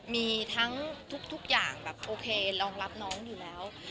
มีทั้งทุกอย่างแบบโอเครองรับน้องอยู่แล้ว